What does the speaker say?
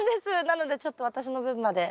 なのでちょっと私の分まで。